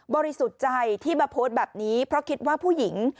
บริสุทธิ์ใจที่มาโพสแบบนี้เพราะคิดว่าผู้หญิง